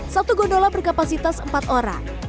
satu gondola berkapasitas empat orang